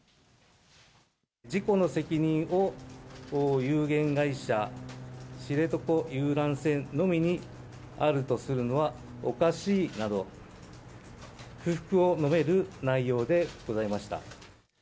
事故の責任を有限会社知床遊覧船のみにあるとするのはおかしいなど、不服を述べる内容でございました。